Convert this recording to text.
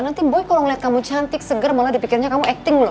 nanti boy kalau ngeliat kamu cantik seger malah dipikirnya kamu acting loh